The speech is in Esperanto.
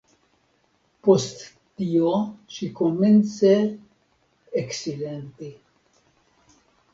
Post tio ŝi komence eksilenti.